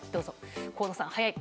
河野さん早い！